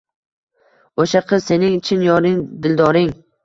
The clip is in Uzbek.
O’sha qiz sening chin yoring, dildoring